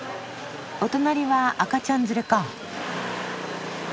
お隣は赤ちゃん連れか。